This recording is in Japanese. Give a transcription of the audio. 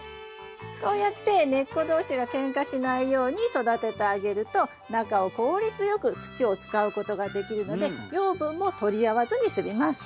こうやって根っこ同士がけんかしないように育ててあげると中を効率よく土を使うことができるので養分も取り合わずに済みます。